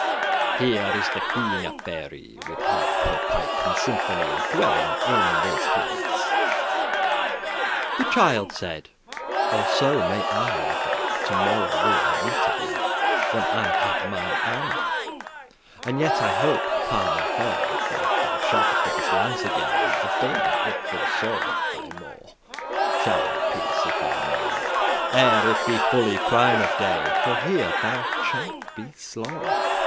Here is the Queen of Faery, With harp, and pipe, and symphony, Dwelling in this place." The Child said, "All so may I the,* *thrive To morrow will I meete thee, When I have mine armor; And yet I hope, *par ma fay,* *by my faith* That thou shalt with this launcegay Abyen* it full sore; *suffer for Thy maw* *belly Shall I pierce, if I may, Ere it be fully prime of day, For here thou shalt be slaw."